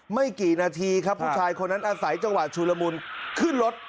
ไม่กี่นาทีครับผู้ชายคนนั้นอาศัยจังหวะชุลมุนขึ้นรถ